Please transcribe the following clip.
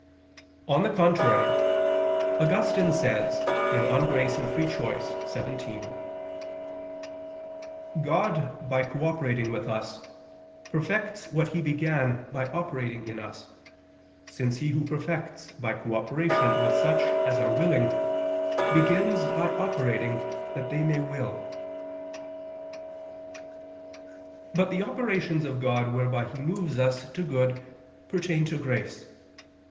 On the contrary, Augustine says (De Gratia et Lib. Arbit. xvii): "God by cooperating with us, perfects what He began by operating in us, since He who perfects by cooperation with such as are willing, begins by operating that they may will." But the operations of God whereby He moves us to good pertain to grace.